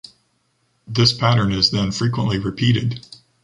This pattern is then frequently repeated